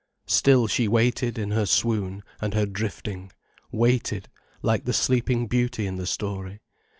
Still she waited, in her swoon and her drifting, waited, like the Sleeping Beauty in the story.